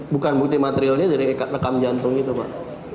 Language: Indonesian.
bukan bukti materialnya dari rekam jantung itu pak